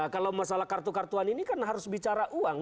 kalau masalah kartu kartuan ini kan harus bicara uang